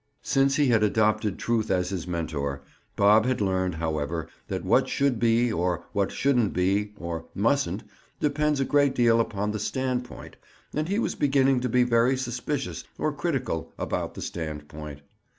Since he had adopted truth as his mentor, Bob had learned, however, that "what should be" or "what shouldn't," or "mustn't," depends a great deal upon the standpoint, and he was beginning to be very suspicious, or critical, about the standpoint.